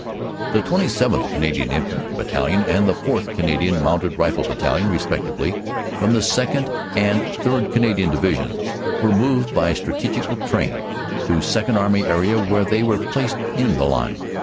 "The 27th. Canadian Infantry Battalion and the 4th. Cana dian Mounted Rifle Battalion respectively, from the 2nd. and 3rd. Canadian Divisions, were moved by strategical train to Second Army area where they were placed in the line.